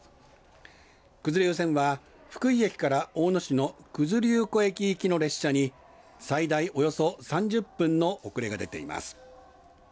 九頭竜線は福井駅から大野市の九頭竜湖駅行きの列車に最大およそ３０分の遅れが出ています。